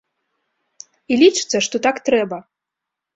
І лічыцца, што так трэба.